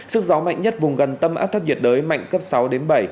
sức gió mạnh nhất vùng gần tâm áp thấp nhiệt đới mạnh cấp sáu đến bảy